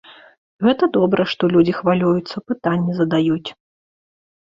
Гэта добра, што людзі хвалююцца, пытанні задаюць.